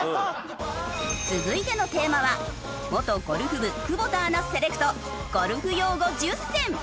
続いてのテーマは元ゴルフ部久保田アナセレクトゴルフ用語１０選。